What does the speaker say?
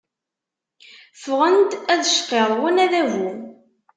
Ffɣen-d ad cqirrwen Adabu.